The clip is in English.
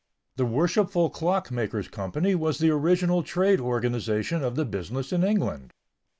The Worshipful Clock makers' Company was the original trade organization of the business in England.